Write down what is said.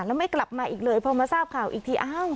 แล้วไม่กลับมาอีกเลยพอมาทราบข่าวอีกทีอ้าว